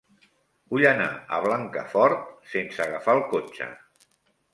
Vull anar a Blancafort sense agafar el cotxe.